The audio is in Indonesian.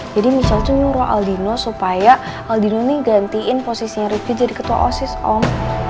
jadi michelle tuh nyuruh aldino supaya aldino nih gantiin posisinya rifki jadi ketua osis om